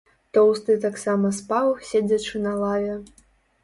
Тоўсты таксама спаў, седзячы на лаве.